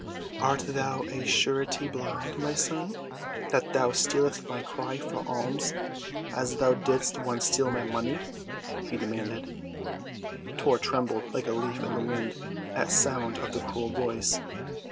"Art thou of a surety blind, my son—that thou stealest my cry for alms as thou didst once steal my money?" he demanded. Tor trembled like a leaf in the wind at sound of the cruel voice.